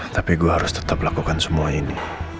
tapi gue harus tetap lakukan semua ini